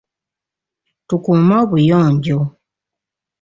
Tukuume obuyonjo.